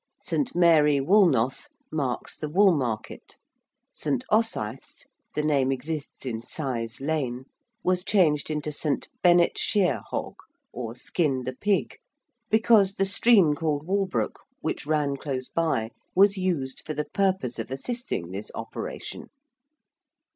St. Mary Woolnoth, marks the wool market: St. Osyth's the name exists in Sise Lane, was changed into St. Bene't Shere Hog or Skin the Pig because the stream called Walbrook which ran close by was used for the purpose of assisting this operation.